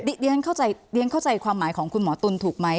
เรียกเข้าใจความหมายของคุณหมอตุลถูกไหม